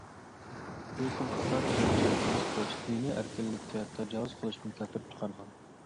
بۇ خىل خاتا چۈشەنچە كەمسىتىش، دىنىي ئەركىنلىككە تاجاۋۇز قىلىشنى كەلتۈرۈپ چىقارغان.